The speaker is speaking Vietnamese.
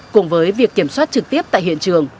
cùng với việc kiểm soát trực tiếp tại hiện trường